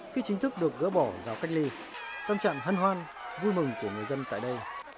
khi chính thức được gỡ bỏ vào cách ly tâm trạng hân hoan vui mừng của người dân tại đây